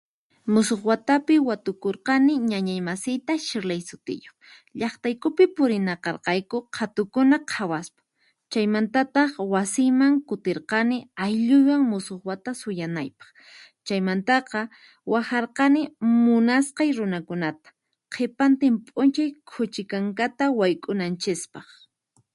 Musuq watapi watukurqani ñañaymasiyta Shirley sutiyuq, llaqtaykupi purinaqarqayku qhatukuna qhawaspa, chaymantataq wasiyman kutirqani aylluywan musuq wata suyanaypaq. Chaymantaqa waqharqani munasqay runakunata, qhipantin p'unchay khuchi kankata wayk'unanchispaq.